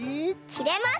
きれます！